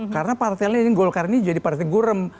karena partai ini golkar ini jadi partai gurem